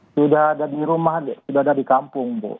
sudah ada di rumah sudah ada di kampung bu